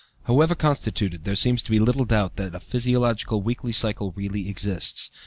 However constituted, there seems little doubt that a physiological weekly cycle really exists.